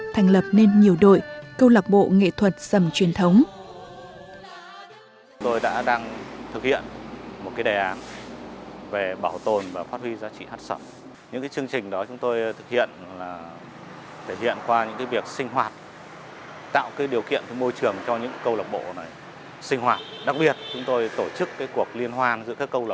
thành lập nên nhiều đội câu lạc bộ nghệ thuật sầm truyền thống